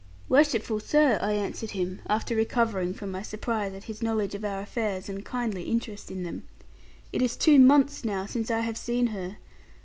'Worshipful sir' I answered him, after recovering from my surprise at his knowledge of our affairs, and kindly interest in them, 'it is two months now since I have seen her.